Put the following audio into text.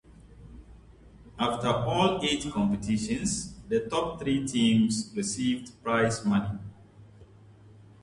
After all eight competitions, the top three teams received prize money.